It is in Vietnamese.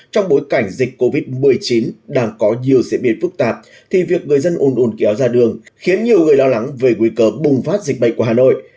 trong bối cảnh dịch covid một mươi chín đang có nhiều diễn biến phức tạp thì việc người dân ồn ồn kéo ra đường khiến nhiều người lo lắng về nguy cơ bùng phát dịch bệnh của hà nội